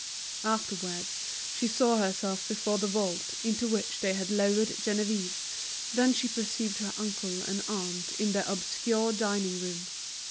Afterwards she saw herself before the vault into which they had lowered Geneviève, then she perceived her uncle and aunt in their obscure dining room.